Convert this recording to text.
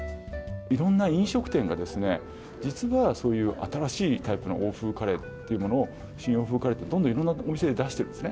いろんな飲食店が、実はそういう新しいタイプの欧風カレーっていうものを、新欧風カレーっていろんな店で出してるんですね。